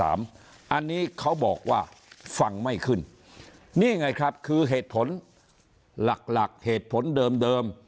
อันนี้เขาบอกว่าฟังไม่ขึ้นนี่ไงครับคือเหตุผลหลักเหตุผลเดิม